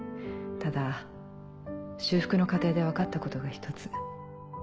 ただ修復の過程で分かったことがひとつ。